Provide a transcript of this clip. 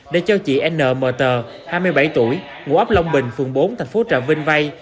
để cho chị n m tờ hai mươi bảy tuổi ngũ ấp long bình phường bốn tp trà vinh vay